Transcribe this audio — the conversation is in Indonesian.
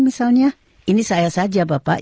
misalnya ini saya saja bapak